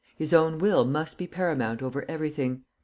His own will must be paramount over everything.